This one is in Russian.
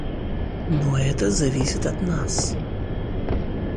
Но это зависит от нас.